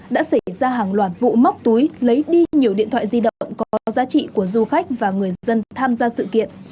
đã xảy ra hàng loạt vụ móc túi lấy đi nhiều điện thoại di động có giá trị của du khách và người dân tham gia sự kiện